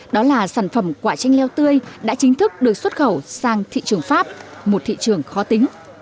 đó là sản phẩm quả chanh leo tươi đã chính thức được xuất khẩu sang thị trường pháp một thị trường khó tính